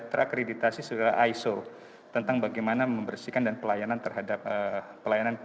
terakreditasi saudara iso tentang bagaimana membersihkan dan pelayanan terhadap pelayanan